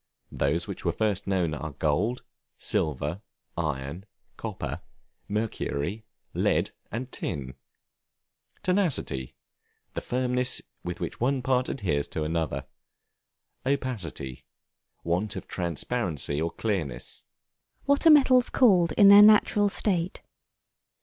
Those which were first known are gold, silver, iron, copper, mercury, lead, and tin. Tenacity, the firmness with which one part adheres to another. Opacity, want of transparency or clearness. What are Metals called in their natural state?